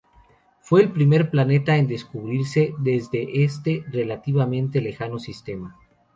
Fue el primer planeta en descubrirse de este relativamente lejano sistema.